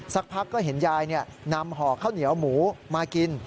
สักพักก็เห็นยายนำห่อข้าวเหนียวหมูมากิน